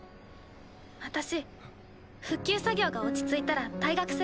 私復旧作業が落ち着いたら退学する。